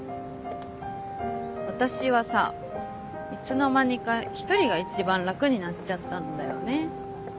私はさいつの間にか１人が一番楽になっちゃったんだよね。